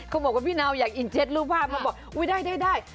บอกว่าพี่นาวอยากอินเช็ดรูปภาพมาบอกอุ๊ยได้